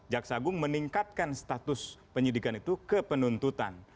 jaksa agung meningkatkan status penyidikan itu ke penuntutan